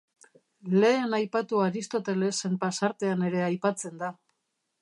Lehen aipatu Aristotelesen pasartean ere aipatzen da.